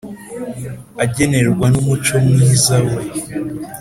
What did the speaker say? agenerwa n’umuco mwiza we